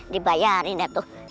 dibayarin ya tuh